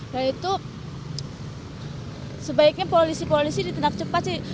nah itu sebaiknya polisi polisi ditindak cepat sih